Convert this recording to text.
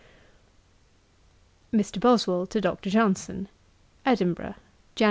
'MR. BOSWELL TO DR. JOHNSON. 'Edinburgh, Jan.